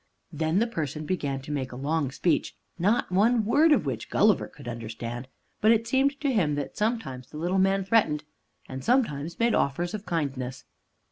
Then the person began to make a long speech, not one word of which could Gulliver understand, but it seemed to him that sometimes the little man threatened, and sometimes made offers of kindness.